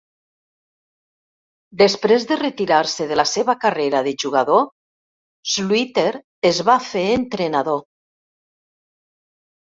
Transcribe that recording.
Després de retirar-se de la seva carrera de jugador, Sluiter es va fer entrenador.